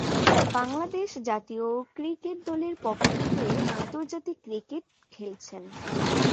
বাংলাদেশ জাতীয় ক্রিকেট দলের পক্ষ হয়ে আন্তর্জাতিক ক্রিকেট খেলছেন।